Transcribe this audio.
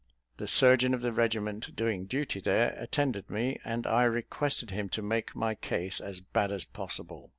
The surgeon of the regiment doing duty there attended me, and I requested him to make my case as bad as possible.